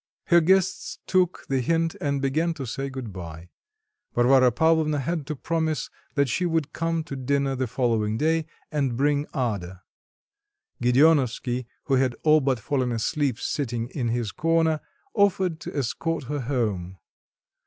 Her guests took the hint and began to say good bye. Varvara Pavlovna had to promise that she would come to dinner the following day and bring Ada. Gedeonovsky, who had all but fallen asleep sitting in his corner, offered to escort her home.